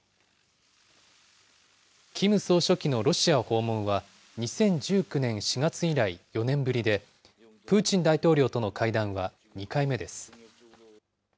キム総書記のロシア訪問は、２０１９年４月以来４年ぶりで、プーチン大統領との会談は２回目です。